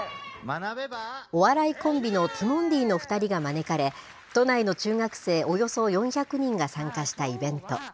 お笑いコンビのティモンディの２人が招かれ、都内の中学生およそ４００人が参加したイベント。